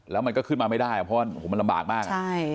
แล้วมันก็ขึ้นมาไม่ได้เพราะว่ามันลำบากมาก